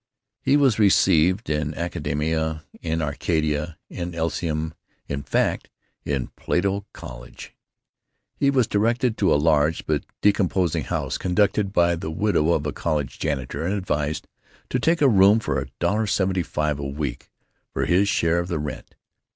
He was received in Academe, in Arcadia, in Elysium; in fact, in Plato College. He was directed to a large but decomposing house conducted by the widow of a college janitor, and advised to take a room at $1.75 a week for his share of the rent.